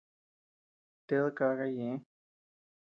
Ted káka ñeʼë.